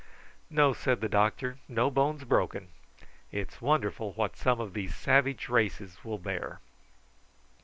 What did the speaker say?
"No," said the doctor. "No bones broken. It's wonderful what some of these savage races will bear."